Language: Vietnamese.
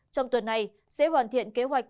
trong tuần này sẽ hoàn thiện kế hoạch